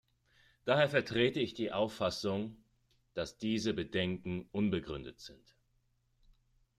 Daher vertrete ich die Auffassung, dass diese Bedenken unbegründet sind.